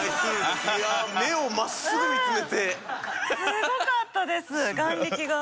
すごかったです眼力が。